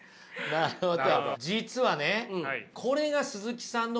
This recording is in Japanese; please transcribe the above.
なるほど。